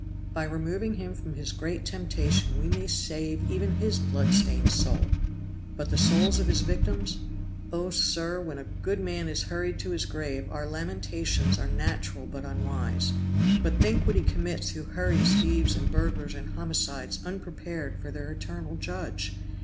By removing him from this his great temptation we may save even his blood stained soul. But the souls of his victims? Oh, sir, when a good man is hurried to his grave our lamentations are natural but unwise; but think what he commits who hurries thieves and burglars and homicides unprepared before their eternal Judge.